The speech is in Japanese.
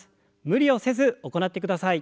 無理をせず行ってください。